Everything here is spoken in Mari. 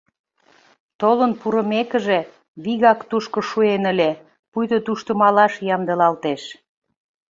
Толын пурымекыже, вигак тушко шуэн ыле, пуйто тушто малаш ямдылалтеш.